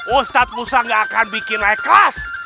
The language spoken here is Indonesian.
ustadz musa gak akan bikin naik kelas